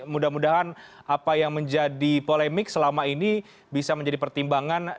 mudah mudahan apa yang menjadi polemik selama ini bisa menjadi pertimbangan